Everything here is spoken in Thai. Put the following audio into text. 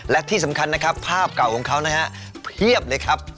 และที่สำคัญนะครับภาพเก่าของเขานะฮะเพียบเลยครับ